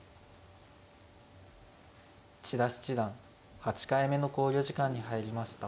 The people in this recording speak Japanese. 千田七段８回目の考慮時間に入りました。